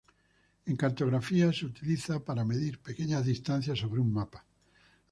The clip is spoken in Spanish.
En cartografía se utiliza para medir pequeñas distancias sobre un mapa.